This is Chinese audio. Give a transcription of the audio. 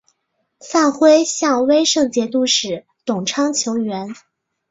范晖向威胜节度使董昌求援。